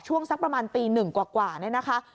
ช่วงสักประมาณปีหนึ่งกว่านะคะ